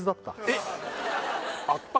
えっ？